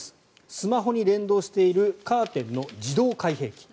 スマホに連動しているカーテンの自動開閉機。